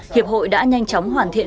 hiệp hội đã nhanh chóng hoàn thiện